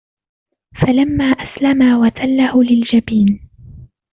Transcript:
فَلَمَّا أَسْلَمَا وَتَلَّهُ لِلْجَبِينِ